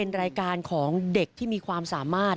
รายการของเด็กที่มีความสามารถ